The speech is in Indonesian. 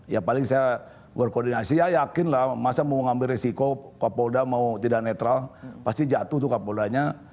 ya paling saya berkoordinasi ya yakinlah masa mau mengambil resiko kapolda mau tidak netral pasti jatuh tuh kapoldanya